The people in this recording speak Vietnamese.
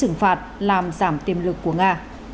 trừng phạt làm giảm tiềm lực của nga